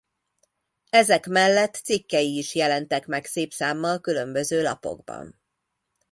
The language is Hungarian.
Ezek mellett cikkei is jelentek meg szép számmal különböző lapokban.